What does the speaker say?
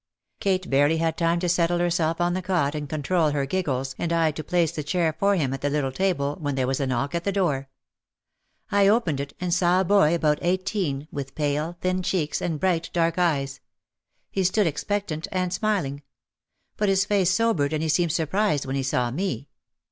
Kate barely had time to settle herself on the cot and control her giggles and I to place the chair for him at the little table, when there was a knock at the door. I opened it and saw a boy about eighteen with pale, thin cheeks and bright dark eyes. He stood expectant and smiling. But his face sobered and he seemed surprised when he saw me.